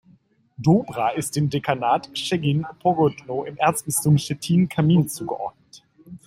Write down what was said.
Dobra ist dem Dekanat Szczecin-Pogodno im Erzbistum Stettin-Cammin zugeordnet.